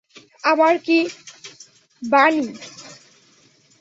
আমার কি, বানি?